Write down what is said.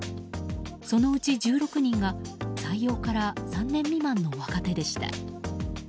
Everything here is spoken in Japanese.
そのうち１６人が採用から３年未満の若手でした。